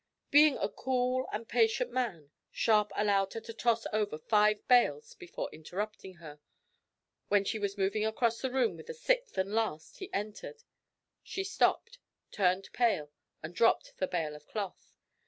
Being a cool and patient man, Sharp allowed her to toss over five bales before interrupting her. When she was moving across the room with the sixth and last he entered. She stopped, turned pale, and dropped the bale of cloth.